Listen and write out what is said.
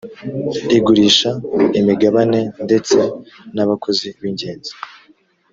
igurisha imigabane ndetse n abakozi b ingenzi